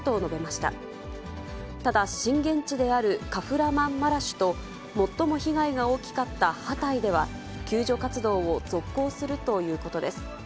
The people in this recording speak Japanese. ただ震源地であるカフラマンマラシュと、最も被害が大きかったハタイでは、救助活動を続行するということです。